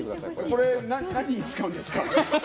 これ、何に使うんですか。